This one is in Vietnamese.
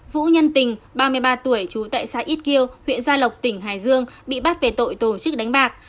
vũ nhân tình ba mươi ba tuổi trú tại xã ít kiêu huyện gia lộc tỉnh hải dương bị bắt về tội tổ chức đánh bạc